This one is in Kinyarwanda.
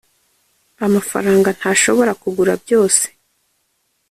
amafaranga ntashobora kukugura byose